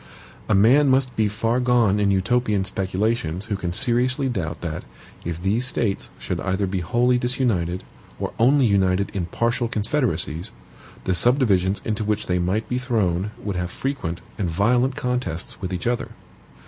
A man must be far gone in Utopian speculations who can seriously doubt that, if these States should either be wholly disunited, or only united in partial confederacies, the subdivisions into which they might be thrown would have frequent and violent contests with each other.